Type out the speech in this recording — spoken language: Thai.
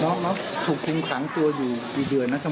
แล้วเขาถูกคุ้มขังตัวอยู่กี่เดือนนะทั้งหมด